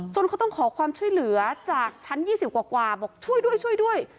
จนเขาต้องขอความช่วยเหลือจากชั้น๒๐กว่าบอกช่วยด้วย